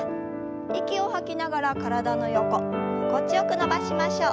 息を吐きながら体の横心地よく伸ばしましょう。